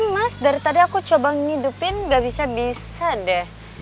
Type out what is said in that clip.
mas dari tadi aku coba ngidupin gak bisa bisa deh